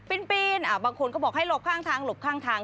บางคนก็บอกให้หลบข้างทางหลบข้างทาง